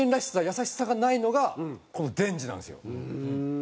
優しさがないのがこのデンジなんですよ。ふーん！